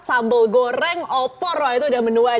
sambal goreng opor wah itu udah menu wajib